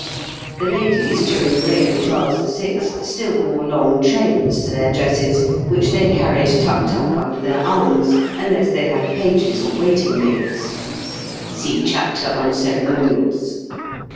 The ladies, during the reign of Charles VI., still wore long trains to their dresses, which they carried tucked up under their arms, unless they had pages or waiting maids (see chapter on Ceremonials).